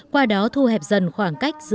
qua đó thu hẹp dần khoảng cách giữa